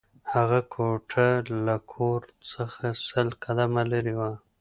هغه کوټه له کور څخه سل قدمه لېرې وه